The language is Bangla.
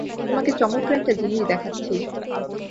তোমাকে চমৎকার একটা জিনিস দেখাচ্ছি।